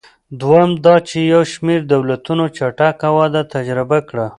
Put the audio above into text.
دویم دا چې یو شمېر دولتونو چټکه وده تجربه کړه.